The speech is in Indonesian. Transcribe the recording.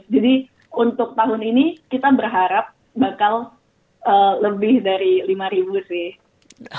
jadi untuk tahun ini kita berharap bakal lebih dari lima sih